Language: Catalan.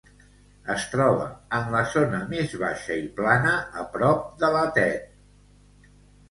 Es troba en la zona més baixa i plana, a prop de la Tet.